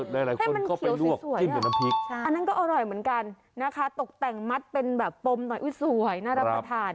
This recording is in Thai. ให้มันเขียวสวยกินกับน้ำพริกอันนั้นก็อร่อยเหมือนกันนะคะตกแต่งมัดเป็นแบบปมหน่อยอุ๊ยสวยน่ารับประทาน